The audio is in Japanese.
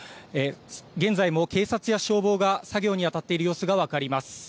現在も警察や消防が作業にあたっている様子が分かります。